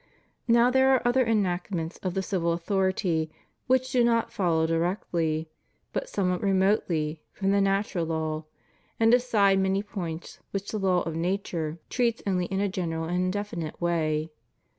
Now there are other enactments of the civil authority, which do not follow directly, but somewhat remotely, from the natural law, and decide many points which the law of nature U'2 HUMAN LIBERTY. treats only in a general and indefinite way.